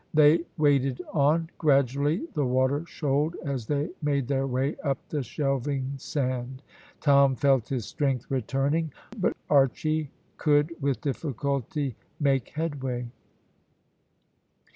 They waded on. Gradually the water shoaled as they made their way up the shelving sand. Tom felt his strength returning, hot Archy could with difficulty make headway.